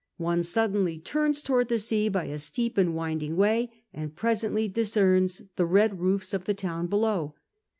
One suddenly turns towards the sea by a steep and winding way and presently discerns the red roofs of the town below.